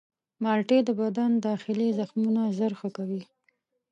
مالټې د بدن داخلي زخمونه ژر ښه کوي.